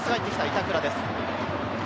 板倉です。